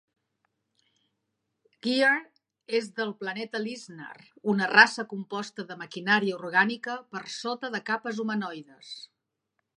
Gear és del planeta Linsnar, una raça composta de maquinària orgànica per sota de capes humanoides.